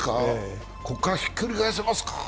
ここからひっくり返せますか？